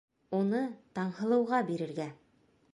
Уны Таңһылыуға бирергә!